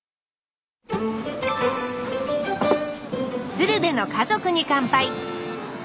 「鶴瓶の家族に乾杯」